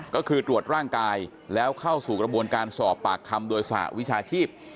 ก็คือตรวจร่างกายแล้วเข้าสู่กระบวนการสอบปากคำโดยสหวิชาชีพ